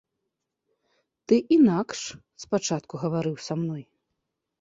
Ты інакш спачатку гаварыў са мною.